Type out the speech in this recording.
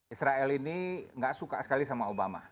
israel ini nggak suka sekali sama obama